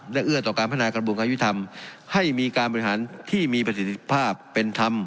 และเอื้อต่อการพัฒนากระบวนการยุทธรรมให้มีการบริหารที่มีประสิทธิภาพเป็นธรรม